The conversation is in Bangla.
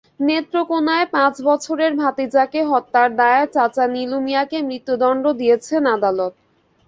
নেত্রকোনায় পাঁচ বছরের ভাতিজাকে হত্যার দায়ে চাচা নীলু মিয়াকে মৃত্যুদণ্ড দিয়েছেন আদালত।